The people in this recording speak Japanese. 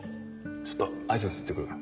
ちょっと挨拶いってくるわ。